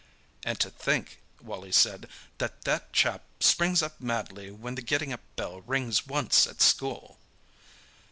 "And to think," Wally said, "that that chap springs up madly when the getting up bell rings once at school!"